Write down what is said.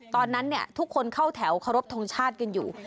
ตอนนั้นทุกคนเข้าแถวเคารพทงชาติกันอยู่